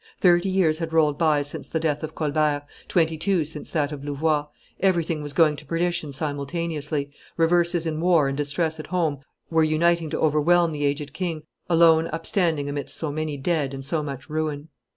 Thirty years had rolled by since the death of Colbert, twenty two since that of Louvois; everything was going to perdition simultaneously; reverses in war and distress at home were uniting to overwhelm the aged king, alone upstanding amidst so many dead and so much ruin.